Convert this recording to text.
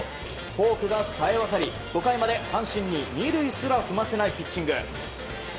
フォークがさえわたり５回まで阪神に２塁すら踏ませないピッチング。